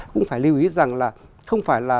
cũng phải lưu ý rằng là không phải là